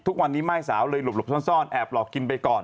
ทุกวันนี้ม่ายสาวเลยหลบซ่อนแอบหลอกกินไปก่อน